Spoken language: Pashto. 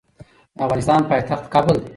د افغانستان پایتخت کابل دي